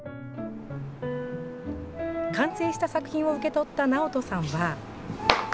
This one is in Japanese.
完成した作品を受け取った直人さんは。